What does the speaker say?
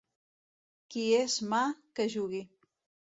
Qui és mà, que jugui.